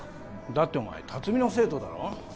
だってお前龍海の生徒だろ？